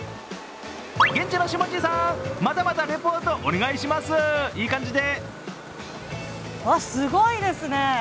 現地の下地さん、またまたレポートお願いします、いい感じで。